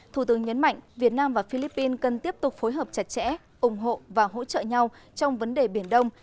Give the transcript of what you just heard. thủ tướng nhấn mạnh việt nam và philippines cần tiếp tục phối hợp chặt chẽ ủng hộ và hỗ trợ nhau trong vấn đề biển đông